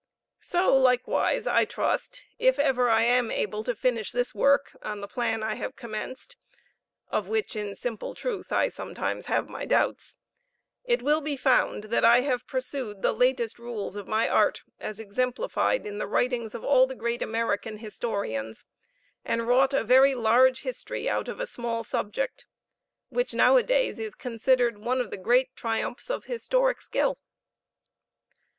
So, likewise, I trust, if ever I am able to finish this work on the plan I have commenced (of which, in simple truth, I sometimes have my doubts), it will be found that I have pursued the latest rules of my art, as exemplified in the writings of all the great American historians, and wrought a very large history out of a small subject which nowadays, is considered one of the great triumphs of historic skill.